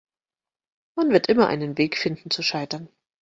Man wird immer einen Weg finden zu scheitern.